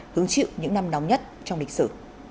hướng chịu những năm nóng nhất trong lịch sử